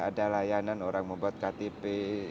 ada layanan orang membuat ktp